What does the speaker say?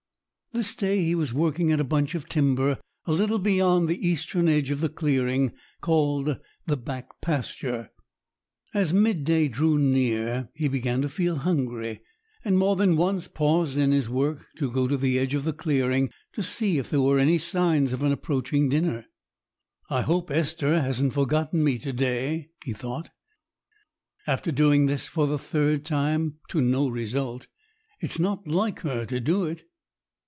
This day he was working at a bunch of timber a little beyond the eastern edge of the clearing, called the "back pasture." As mid day drew near he began to feel hungry, and more than once paused in his work to go to the edge of the clearing, to see if there were any signs of an approaching dinner. "I hope Esther hasn't forgotten me to day," he thought, after doing this for the third time to no result. "It's not like her to do it."